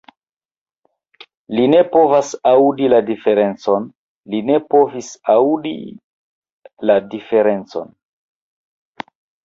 Li ne povas aŭdi la diferencon li ne povis aŭdi la diferencon!